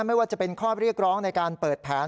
ไม่ว่าจะเป็นข้อเรียกร้องในการเปิดแผน